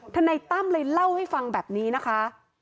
นายตั้มเลยเล่าให้ฟังแบบนี้นะคะ